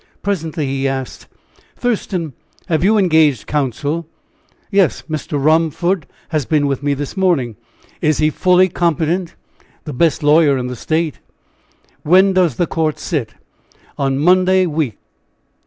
Presently he asked: "Thurston, have you engaged counsel?" "Yes; Mr. Romford has been with me this morning." "Is he fully competent?" "The best lawyer in the State." "When does the court sit?" "On Monday week."